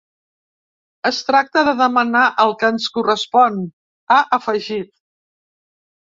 Es tracta de demanar el que ens correspon, ha afegit.